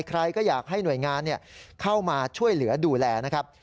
ใครก็อยากให้หน่วยงานเข้ามาช่วยเหลือดูแลนะครับ